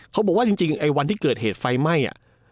เขาบอกว่าจริงไอ้วันที่เกิดเหตุไฟไหม้